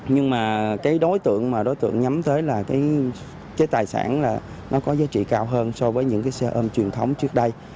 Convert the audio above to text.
nhưng mà cái đối tượng mà đối tượng nhắm tới là cái tài sản là nó có giá trị cao hơn so với những cái xe ôm truyền thống trước đây